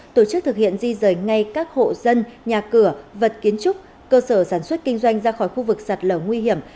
tổ chức thực hiện di rời ngay các hộ dân nhà cửa vật kiến trúc cơ sở sản xuất kinh doanh ra khỏi khu vực sạt lở nguy hiểm